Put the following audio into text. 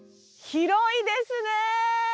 広いですね。